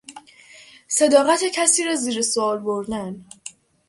صداقت کسی را زیر سئوال بردن